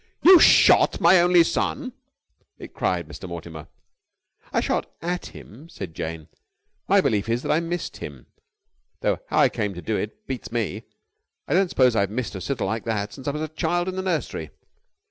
"You shot my only son!" cried Mr. Mortimer. "I shot at him," said Jane. "My belief is that I missed him. Though how I came to do it beats me. I don't suppose I've missed a sitter like that since I was a child in the nursery.